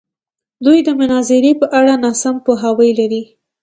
دوی د مناظرې په اړه ناسم پوهاوی لري.